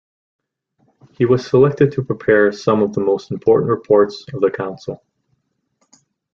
He was selected to prepare some of the most important reports of the council.